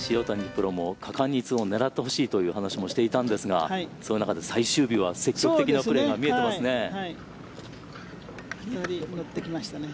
プロも果敢に２オンを狙ってほしいという話もしていたんですがその中で最終日は積極的なプレーが見えていますね。